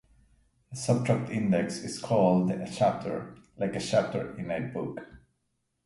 The sub-track index is called a chapter, like a chapter in a book.